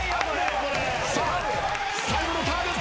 さあ最後のターゲット。